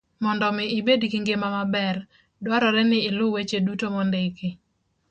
Mondo omi ibed gi ngima maber, dwarore ni iluw weche duto mondiki